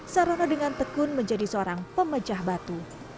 sarono dengan tekun menjadi seorang pemecah batu